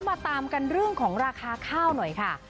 มาตามกันเรื่องของราคาข้าวหน่อยค่ะ